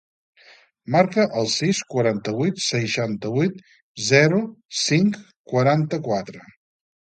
Marca el sis, quaranta-vuit, seixanta-vuit, zero, cinc, quaranta-quatre.